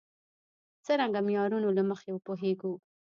څرنګه معیارونو له مخې وپوهېږو.